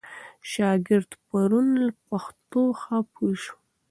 شاګرد پرون په پښتو ښه پوه سو.